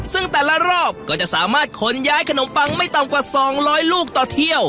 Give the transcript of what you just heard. ซึ่งแต่ละรอบก็จะสามารถขนย้ายขนมปังไม่ต่ำกว่า๒๐๐ลูกต่อเที่ยว